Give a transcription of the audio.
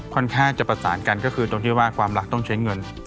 ค่อนข้างจะประสานกันก็คือตรงที่ว่าความรักต้องใช้เงิน